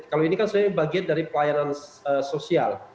kalau ini kan sebenarnya bagian dari pelayanan sosial